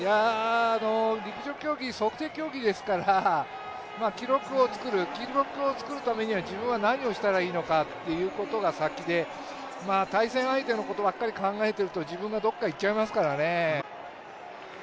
陸上競技、測定競技ですから記録を作る、記録を作るためには自分が何をしたらいいのかというのが先で対戦相手のことばかり考えていると自分がどこかいっちゃいますからね。